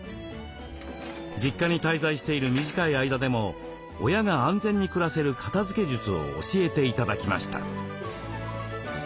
実家に滞在している短い間でも親が安全に暮らせる片づけ術を教えて頂きました。